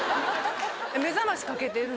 目覚ましかけてる？